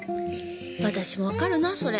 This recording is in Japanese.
私もわかるなそれ。